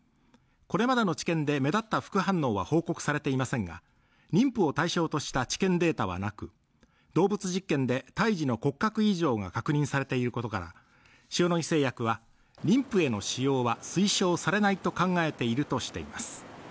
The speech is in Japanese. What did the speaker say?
これまでの治験で目立った副反応が報告されていませんが妊婦を対象とした治験データはなく動物実験で胎児の骨格異常が確認されていることから塩野義製薬は妊婦への使用は推奨されないと考えているとしています